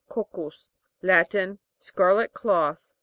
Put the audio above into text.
Coc'cus. Latin. Scarlet cloth.